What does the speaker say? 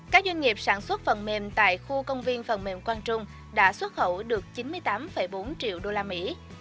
các doanh nghiệp sản xuất phần mềm tại khu công viên phần mềm quang trung đã xuất khẩu được chín mươi tám bốn triệu usd chiếm phần lớn doanh thu xuất khẩu phần mềm của tp hcm